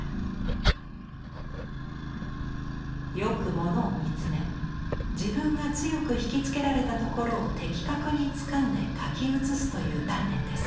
よく物を見つめ自分が強く引きつけられたところを的確につかんで描き写すという鍛練です。